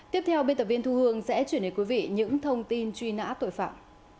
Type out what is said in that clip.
tiếp theo bên tập viên thu hương sẽ truyền đến quý vị những thông tin truy nã tội phạm